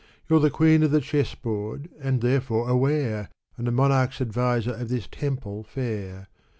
You're the queen of the chess board and therefore aware; And the monarch's adviser of this temple fair.